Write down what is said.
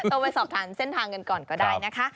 ไปสอบถามเส้นทางกันก่อนก็ได้นะคะ